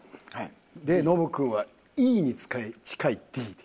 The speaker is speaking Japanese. でノブ君はＥに近いＤで。